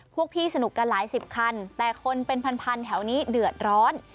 พวกพี่สนุกกันหลายสิบคันแต่คนเป็นพันแถวนี้เดือดร้อน